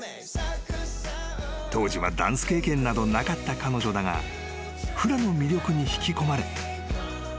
［当時はダンス経験などなかった彼女だがフラの魅力に引き込まれ］